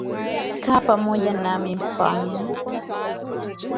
Kaa pamoja nami mfalme